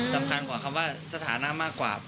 สำคัญกว่าคำว่าสถานะมากกว่า